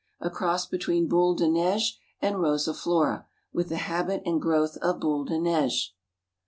A cross between Boule de Neige and Rosaflora, with the habit and growth of Boule de Neige."